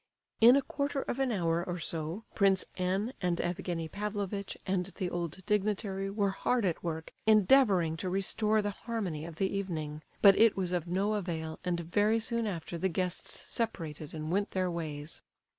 In a quarter of an hour or so Prince N. and Evgenie Pavlovitch and the old dignitary were hard at work endeavouring to restore the harmony of the evening, but it was of no avail, and very soon after the guests separated and went their ways.